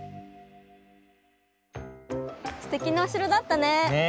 すてきなおしろだったね。